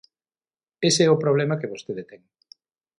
Ese é o problema que vostede ten.